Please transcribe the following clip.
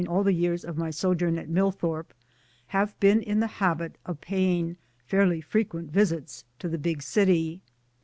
all the years of my sojourn at Millthorpe, have been in the habit of paying fairly frequent visits to the big city.